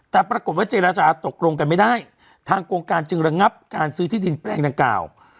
แต่ปรากฏว่าเจรจาตกลงกันไม่ได้ทางโครงการจึงระงับการซื้อที่ดินแปลงดังกล่าว